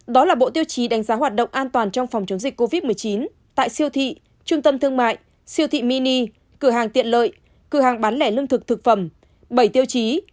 đó là bộ tiêu chí đánh giá hoạt động an toàn trong phòng chống dịch covid một mươi chín tại siêu thị trung tâm thương mại siêu thị mini cửa hàng tiện lợi cửa hàng bán lẻ lương thực thực phẩm bảy tiêu chí